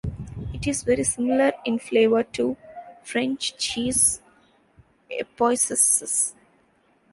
It is very similar in flavor to the French cheese Epoisses.